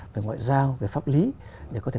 về ngoại giao về pháp lý để có thể